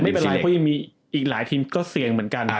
ไม่เป็นไรเพราะยังมีอีกหลายทีมก็เสี่ยงเหมือนกัน